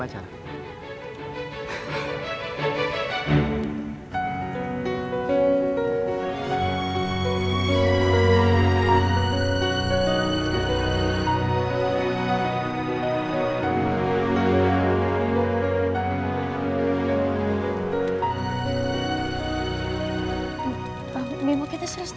yang pai makasih